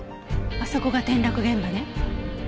あそこが転落現場ね。